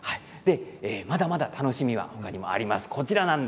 まだまだ楽しみは他にもあります。